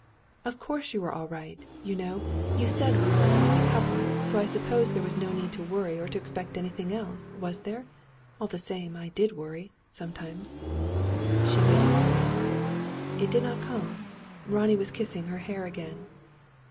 "Of course you were all right. You know, you said we were a healthy couple, so I suppose there was no need to worry or to expect anything else. Was there? All the same I did worry sometimes." She waited for more. It did not come. Ronnie was kissing her hair again.